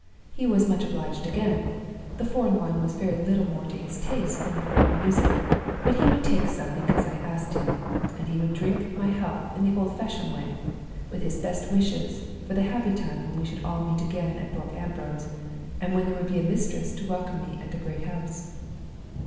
He was much obliged again. The foreign wine was very little more to his taste than the foreign music; but he would take some because I asked him; and he would drink my health in the old fashioned way, with his best wishes for the happy time when we should all meet again at Thorpe Ambrose, and when there would be a mistress to welcome me at the great house.